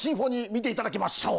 見ていただきましょう。